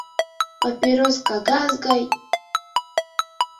— Папирос кагаз гай...